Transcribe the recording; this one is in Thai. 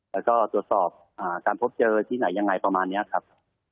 แล้วก็ตรวจสอบการพบเจอที่ไหนยังไงประมาณนี้ครับ